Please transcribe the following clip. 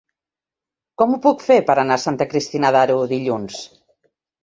Com ho puc fer per anar a Santa Cristina d'Aro dilluns?